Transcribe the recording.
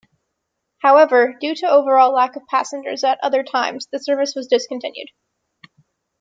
However, due to overall lack of passengers at other times the service was discontinued.